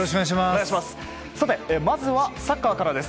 まずはサッカーからです。